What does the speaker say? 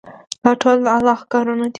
دا ټول د الله کارونه دي.